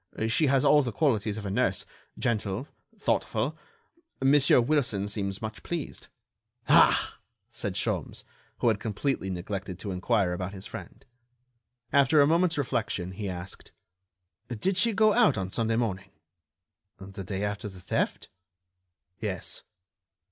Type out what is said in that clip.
She has all the qualities of a nurse ... gentle ... thoughtful ... Monsieur Wilson seems much pleased...." "Ah!" said Sholmes, who had completely neglected to inquire about his friend. After a moment's reflection he asked: "Did she go out on Sunday morning?" "The day after the theft?" "Yes."